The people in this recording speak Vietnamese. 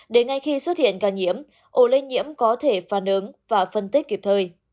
để ngay khi xuất hiện ca nhiễm ổ lây nhiễm có thể phản ứng và phân tích kịp thời